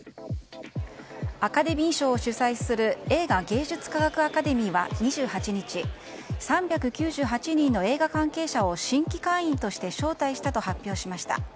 アカデミー賞を主催する映画芸術科学アカデミーは２８日、３９８人の映画関係者を新規会員として招待したと発表しました。